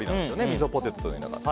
みそポテトというのが。